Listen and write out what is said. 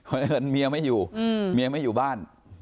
เพราะฉะนั้นเมียไม่อยู่เมียไม่อยู่บ้าน